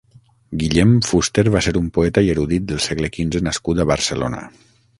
Guillem Fuster va ser un poeta i erudit del segle quinze nascut a Barcelona.